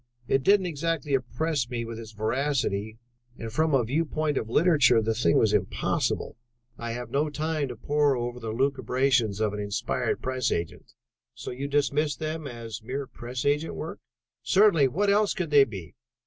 It didn't exactly impress me with its veracity, and, from a viewpoint of literature, the thing was impossible. I have no time to pore over the lucubrations of an inspired press agent." "So you dismissed them as mere press agent work?" "Certainly. What else could they be?